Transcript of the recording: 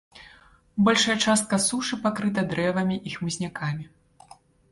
Большая частка сушы пакрыта дрэвамі і хмызнякамі.